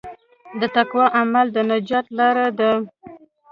د تقوی عمل د نجات لاره ده.